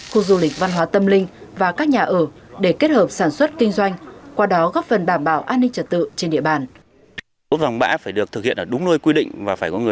khu du lịch văn hóa tâm linh và các nhà ở để kết hợp sản xuất kinh doanh qua đó góp phần đảm bảo an ninh trật tự trên địa bàn